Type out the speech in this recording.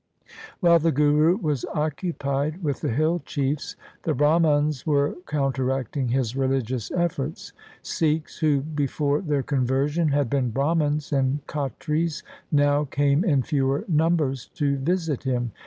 While the Guru was occupied with the hill chiefs, the Brahmans were counteracting his religious efforts. Sikhs who before their conversion had been Brahmans and Khatris now came in fewer numbers to visit him.